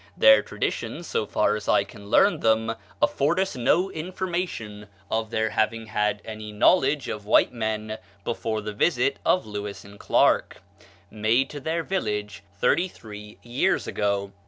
Their traditions, so far as I can learn them, afford us no information of their having had any knowledge of white men before the visit of Lewis and Clarke, made to their village thirty three years ago.